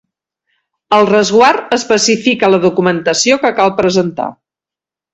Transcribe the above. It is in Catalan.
El resguard especifica la documentació que cal presentar.